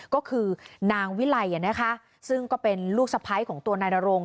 ก็คือนางวิไลซึ่งก็เป็นลูกสะพ้ายของตัวนายนรง